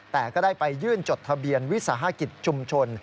แต่ก็ได้ไปยื่นจดทะเบียนวิสาหกิจชุมชน